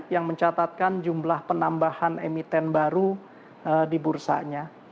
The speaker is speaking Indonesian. yang mencatatkan jumlah penambahan emiten baru di bursanya